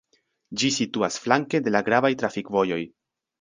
Ĝi situas flanke de la gravaj trafikvojoj.